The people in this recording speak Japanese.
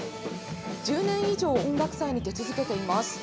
１０年以上、音楽祭に出続けています。